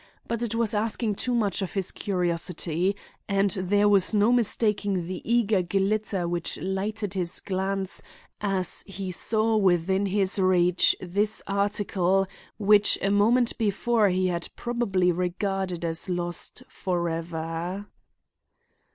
But it was asking too much of his curiosity, and there was no mistaking the eager glitter which lighted his glance as he saw within his reach this article which a moment before he had probably regarded as lost forever.